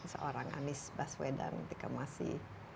seorang anies baswedan ketika masih